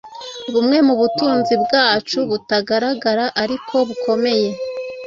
bumwe mu butunzi bwacu butagaragara ariko bukomeye.